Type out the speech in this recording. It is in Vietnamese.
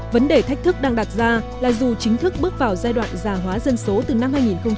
vấn đề thách thức đang đặt ra là dù chính thức bước vào giai đoạn già hóa dân số từ năm hai nghìn một mươi chín